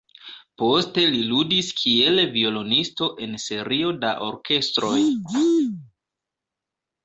Poste li ludis kiel violonisto en serio da orkestroj.